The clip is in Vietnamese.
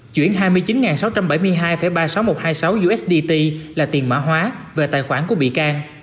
chuyển hai mươi chín sáu trăm bảy mươi hai ba mươi sáu nghìn một trăm hai mươi sáu usd là tiền mã hóa về tài khoản của bị can